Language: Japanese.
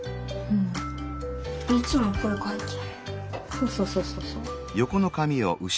そうそうそうそうそう。